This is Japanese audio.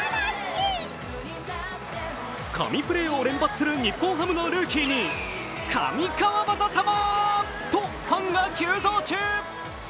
神プレーを連発する、日本ハムのルーキーに、神川畑様とファンが急増中。